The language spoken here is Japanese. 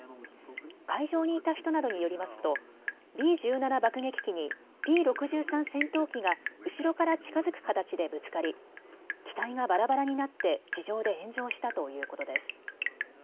会場にいた人などによりますとＢ１７爆撃機にＰ６３戦闘機が後ろから近づく形でぶつかり機体がばらばらになって地上で炎上したということです。